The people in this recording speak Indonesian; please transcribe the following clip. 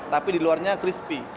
tapi di luarnya crispy